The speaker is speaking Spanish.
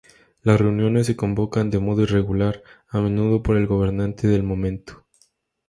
Las reuniones se convocan de modo irregular, a menudo por el gobernante del momento.